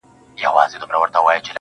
په دې ډېر ولس کي چا وهلی مول دی